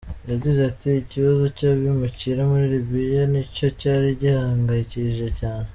Yagize ati “Ikibazo cy’abimukira muri Libiya nicyo cyari gihangayikishije cyane.